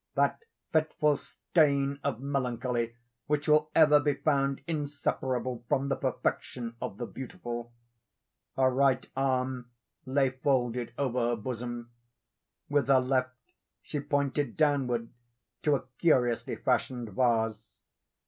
that fitful stain of melancholy which will ever be found inseparable from the perfection of the beautiful. Her right arm lay folded over her bosom. With her left she pointed downward to a curiously fashioned vase.